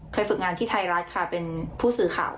ฝึกงานที่ไทยรัฐค่ะเป็นผู้สื่อข่าว